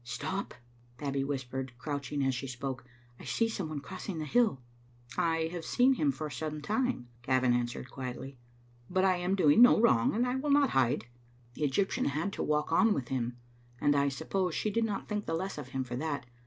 "Stop," Babbie whispered, crouching as she spoke; " I see some one crossing the hill. " "I have seen him for some time," Gavin answered, quietly; "but I am doing no wrong, and I will not hide." The Egyptian had to walk on with him, and I sup pose she did not think the less of him for that.